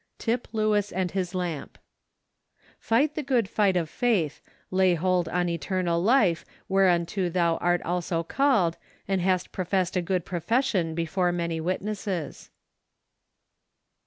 Tip Lewis and His Lamp. " Fight the good tight of faith, lay hold on eternal life , whereunto thou art also called, arid hast pro¬ fessed a good profession before many witnesses."